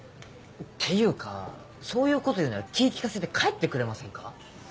っていうかそういうこと言うなら気利かせて帰ってくれませんか？